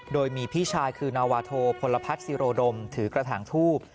โดยมีพี่ชายคือนาวาโทพลพัฒนศิโรดมถือกระถางทูบ